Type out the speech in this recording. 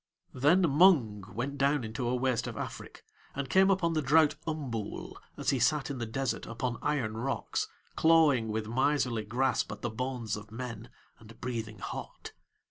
Then Mung went down into a waste of Afrik, and came upon the drought Umbool as he sat in the desert upon iron rocks, clawing with miserly grasp at the bones of men and breathing hot.